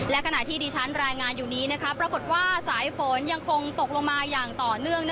และขณะที่ดิฉันรายงานอยู่นี้ปรากฏว่าสายฝนยังคงตกลงมาอย่างต่อเนื่อง